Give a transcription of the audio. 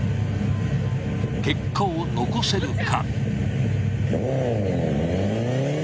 結果を残せるか。